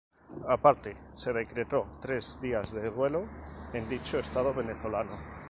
Aparte, se decretó tres días de duelo en dicho estado venezolano.